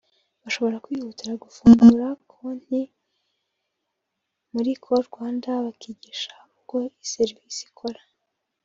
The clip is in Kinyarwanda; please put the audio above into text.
bashobora kwihutira gufungura konti muri Call Rwanda bakigishwa uko iyo serivisi ikora